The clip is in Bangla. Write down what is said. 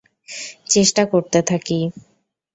চেষ্টা করতে থাকি।